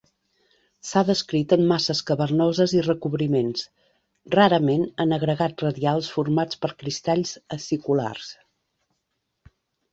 S’ha descrit en masses cavernoses i recobriments; rarament en agregats radials formats per cristalls aciculars.